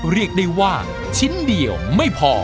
เรียกได้ว่าชิ้นเดียวไม่พอ